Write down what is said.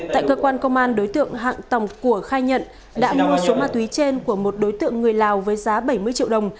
tại cơ quan công an đối tượng hạng tòng của khai nhận đã mua số ma túy trên của một đối tượng người lào với giá bảy mươi triệu đồng